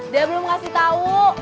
dia belum kasih tahu